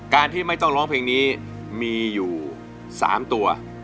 ที่ไม่ต้องร้องเพลงนี้มีอยู่๓ตัว